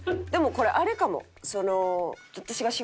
でもこれあれかも。